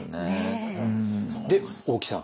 で大木さん。